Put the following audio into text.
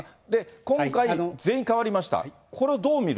今回、全員代わりました。